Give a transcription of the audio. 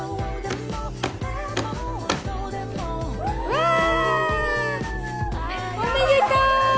わー、おめでとう！